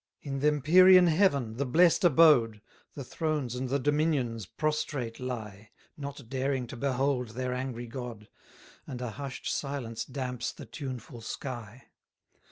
279 In th' empyrean heaven, the bless'd abode, The Thrones and the Dominions prostrate lie, Not daring to behold their angry God; And a hush'd silence damps the tuneful sky.